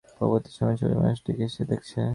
পরবর্তী সময়ে ছবির মানুষটিকেই সে দেখেছে।